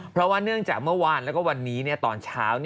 เพราะว่าเนื่องจากเมื่อวานและวันนี้ตอนเช้า